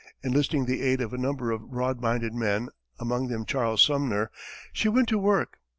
Enlisting the aid of a number of broad minded men, among them Charles Sumner, she went to work.